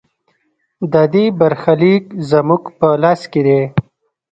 د دې برخلیک زموږ په لاس کې دی